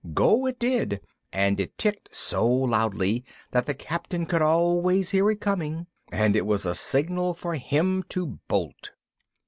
Go it did, and it ticked so loudly that the Captain could always hear it coming, and it was the signal for him to bolt!